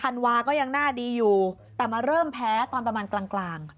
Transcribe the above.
ธันวาก็ยังหน้าดีอยู่แต่มาเริ่มแพ้ตอนประมาณกลาง